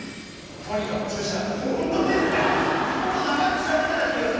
とにかく中止だ！